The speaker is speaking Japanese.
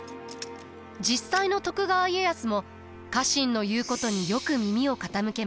実際の徳川家康も家臣の言うことによく耳を傾けました。